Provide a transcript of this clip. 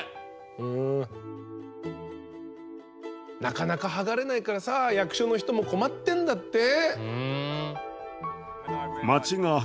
なかなか剥がれないからさ役所の人も困ってんだって。